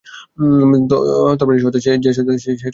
তরবারির সহায়তায় যে যশ অর্জিত হয়, সেটা যশই নয়।